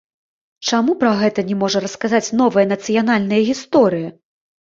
Чаму пра гэта не можа расказаць новая нацыянальная гісторыя?